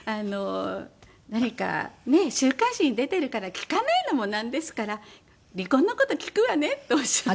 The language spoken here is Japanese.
何かね週刊誌に出てるから聞かないのもなんですから離婚の事聞くわねっておっしゃって。